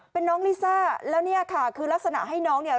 เป็นน้องลิซ่าแล้วเนี่ยค่ะคือลักษณะให้น้องเนี่ย